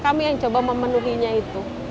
kami yang coba memenuhinya itu